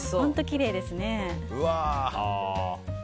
きれいですね。